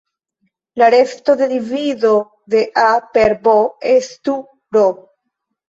La resto de divido de "a" per "b" estu "r".